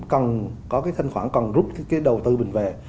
có thanh khoản còn rút đầu tư mình về